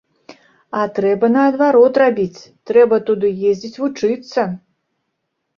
А трэба наадварот рабіць, трэба туды ездзіць вучыцца!